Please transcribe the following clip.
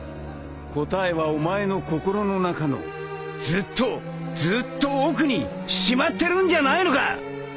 答えはお前の心の中のずっとずっと奥にしまってるんじゃないのか！？